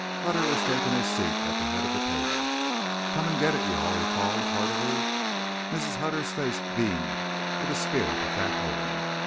Hutter was taking his seat at the head of the table. "Come an' get it—you all," he called, heartily. Mrs. Hutter's face beamed with the spirit of that home.